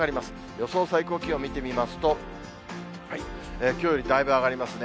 予想最高気温見てみますと、きょうよりだいぶ上がりますね。